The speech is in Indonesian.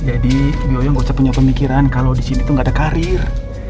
jadi bu yoyah ngosot punya pemikiran kalau di sini tuh gak ada karir